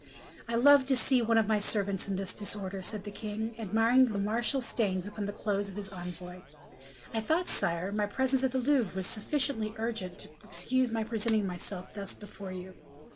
"I love to see one of my servants in this disorder," said the king, admiring the martial stains upon the clothes of his envoy. "I thought, sire, my presence at the Louvre was sufficiently urgent to excuse my presenting myself thus before you."